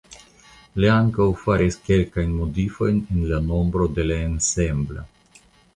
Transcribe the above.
Li ankaŭ faris kelkajn modifojn en la nombro de la ensemblo.